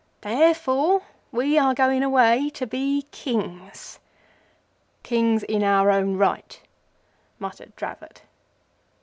Therefore, we are going away to be Kings." "Kings in our own right," muttered Dravot.